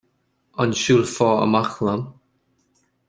An siúlfá amach liom?